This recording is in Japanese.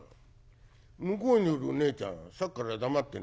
向こうにいるねえちゃんさっきから黙ってんね。